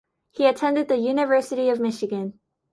He attended the University of Michigan.